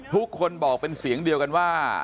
ทุกคนบอกเป็นเสียงเดียวกันว่า